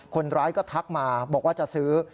คนร้ายก็ทักมาบอกว่าจะซื้อ